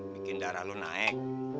bikin darah lo naik